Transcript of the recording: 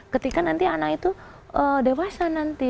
ketika nanti anak itu dewasa nanti